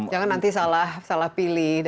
jangan nanti salah pilih